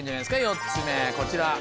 ４つ目こちら。